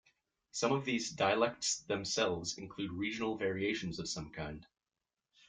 Some of these dialects themselves include regional variations of some kind.